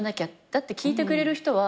だって聴いてくれる人は。